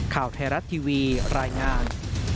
ข่าวไทยรัฐทีวีรายงาน